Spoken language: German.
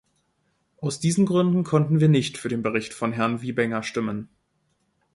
Aus diesen Gründen konnten wir nicht für den Bericht von Herrn Wiebenga stimmen.